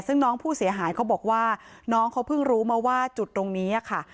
ซึ่งน้องผู้เสียหายเขาบอกว่าน้องเขาเพิ่งรู้มาว่าจุดตรงนี้ค่ะ